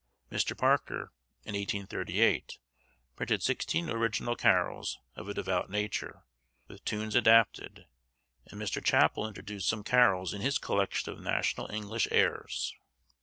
Mr. Parker, in 1838, printed sixteen original carols, of a devout nature, with tunes adapted; and Mr. Chappell introduced some carols in his collection of National English Airs.